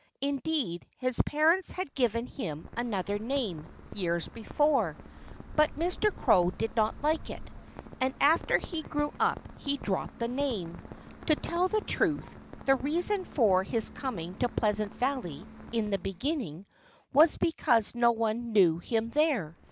Indeed, his parents had given him another name, years before. But Mr. Crow did not like it. And after he grew up he dropped the name. To tell the truth, the reason for his coming to Pleasant Valley, in the beginning, was because no one knew him there.